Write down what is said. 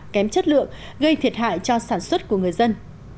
kém chất lượng gây thiệt hại cho sản xuất của người dân